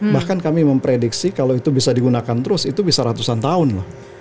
bahkan kami memprediksi kalau itu bisa digunakan terus itu bisa ratusan tahun loh